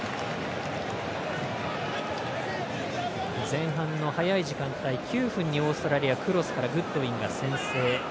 前半の早い時間帯９分にオーストラリアがクロスからグッドウィンが先制。